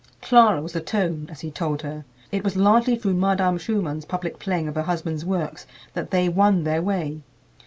Clara was the "tone," as he told her. It was largely through Madame Schumann's public playing of her husband's works that they won their way.